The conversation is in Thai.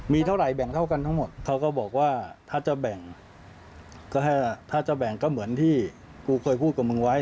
มีเท่าไหรแบ่งเท่ากันทั้งหมดเขาก็บอกว่าถ้าจะแบ่งก็ถ้าจะแบ่งก็เหมือนที่กูเคยพูดกับมึงไว้